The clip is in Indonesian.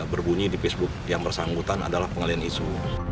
berbunyi di facebook yang bersangkutan adalah pengalian isu